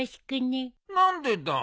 何でだ？